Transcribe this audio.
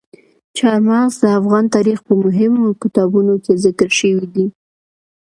چار مغز د افغان تاریخ په مهمو کتابونو کې ذکر شوي دي.